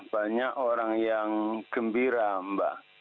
banyak orang yang gembira mbak